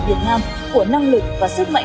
việt nam của năng lực và sức mạnh